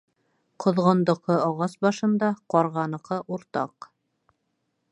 Ҡоҙғондоҡо ағас башында, ҡарғаныҡы уртаҡ.